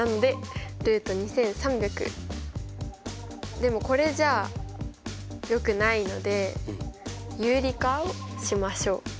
でもこれじゃよくないので有理化をしましょう。